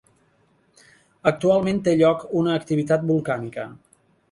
Actualment té lloc una activitat volcànica.